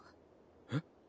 えっ？